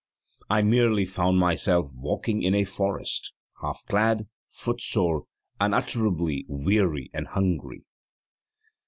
I merely found myself walking in a forest, half clad, footsore, unutterably weary and hungry.